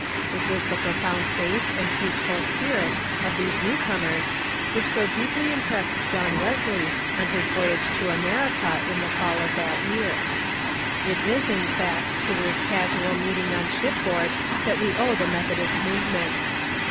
It was the profound faith and peaceful spirit of these new comers which so deeply The Early impressed John Wesley on his vovasje to America Immigration i "^ t •• p" i • in the fall ot that year. It is, in tact, to this casual meeting on shipboard that we owe the Methodist movement.